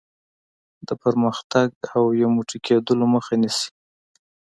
د پرمختګ او یو موټی کېدلو مخه نیسي.